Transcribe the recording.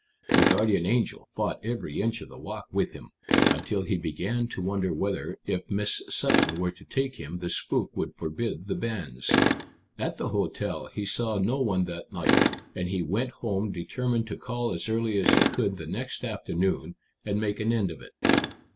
The guardian angel fought every inch of the walk with him, until he began to wonder whether, if Miss Sutton were to take him, the spook would forbid the banns. At the hotel he saw no one that night, and he went home determined to call as early as he could the next afternoon, and make an end of it.